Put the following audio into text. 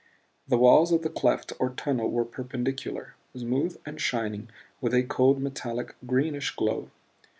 The walls of the cleft or tunnel were perpendicular, smooth and shining with a cold, metallic, greenish glow.